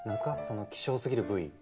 その希少すぎる部位。